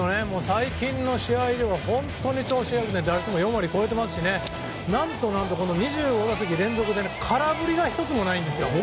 最近の試合では本当に調子が良くて打率も４割超えてますしね何と２５打席連続で空振りが１つもないんですよ。